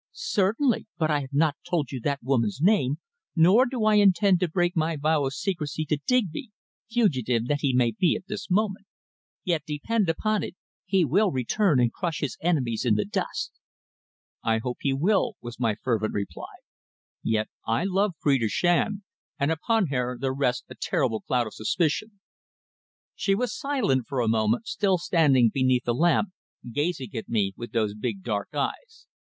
"Certainly. But I have not told you that woman's name, nor do I intend to break my vow of secrecy to Digby fugitive that he may be at this moment. Yet, depend upon it, he will return and crush his enemies in the dust." "I hope he will," was my fervent reply. "Yet I love Phrida Shand, and upon her there rests a terrible cloud of suspicion." She was silent for a moment, still standing beneath the lamp, gazing at me with those big, dark eyes.